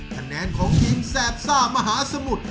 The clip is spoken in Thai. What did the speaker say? คะแนนของทีมแสบซ่ามหาสมุทร